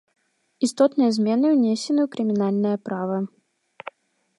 Істотныя змены ўнесены ў крымінальнае права.